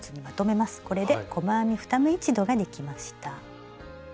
これで細編み２目一度ができました。